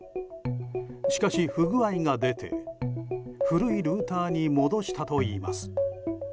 しかし、不具合が出て古いルーターに戻したといいます。